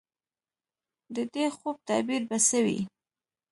د دې خوب تعبیر به څه وي ؟